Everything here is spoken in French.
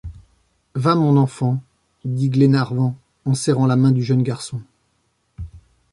Va, mon enfant, » dit Glenarvan en serrant la main du jeune garçon.